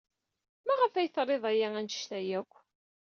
Maɣef ay trid aya anect-a akk?